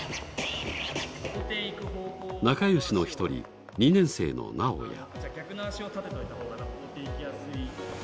仲良しの一人、２年生のなおや。